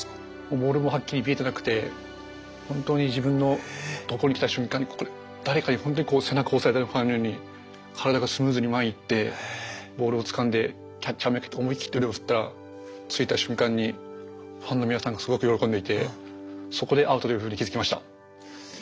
ボールもはっきり見えてなくて本当に自分のとこにきた瞬間に誰かにほんとに背中を押されたかのように体がスムーズに前に行ってボールをつかんでキャッチャー目がけて思い切って腕を振ったらついた瞬間にファンの皆さんがすごく喜んでいてそこでアウトというふうに気付きました。